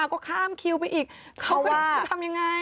ก็ข้ามคิวไปอีกเขาก็จะทำยังไง